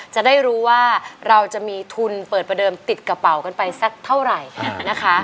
จะได้รู้ว่าเราจะมีทุนเปิดประเดิมติดกระเป๋ากันไปสักเท่าไหร่นะคะ